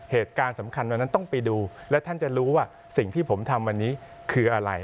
เหตุการณ์สำคัญวันนั้นต้องไปดูและท่านจะรู้ว่าสิ่งที่ผมทำวันนี้คืออะไร